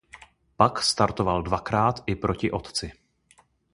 Pak startoval dvakrát i proti otci.